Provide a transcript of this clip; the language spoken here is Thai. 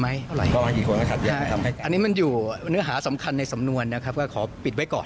อันนี้มันอยู่เนื้อหาสำคัญในสำนวนนะครับก็ขอปิดไว้ก่อน